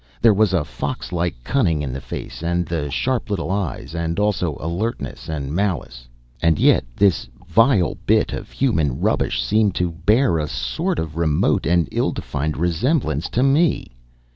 There was a fox like cunning in the face and the sharp little eyes, and also alertness and malice. And yet, this vile bit of human rubbish seemed to bear a sort of remote and ill defined resemblance to me!